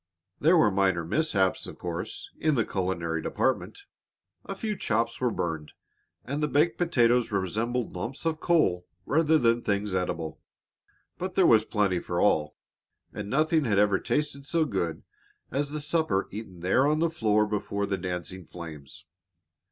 There were minor mishaps, of course, in the culinary department. A few chops were burned, and the baked potatoes resembled lumps of charcoal rather than things edible. But there was plenty for all, and nothing had ever tasted so good as the supper eaten there on the floor before the dancing flames.